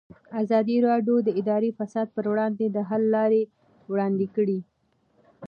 ازادي راډیو د اداري فساد پر وړاندې د حل لارې وړاندې کړي.